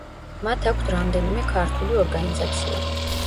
მათ აქვთ რამდენიმე ქართული ორგანიზაცია.